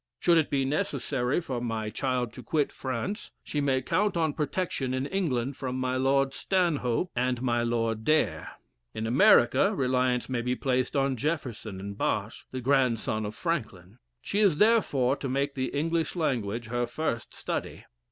'Should it be necessary for my child to quit France, she may count on protection in England from my Lord Stanhope and my Lord Daer. In America, reliance may be placed on Jefferson and Bache, the grandson of Franklin. She is, therefore, to make the English language her first study.'"